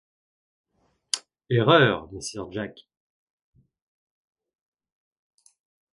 Erreur, messire Jacques!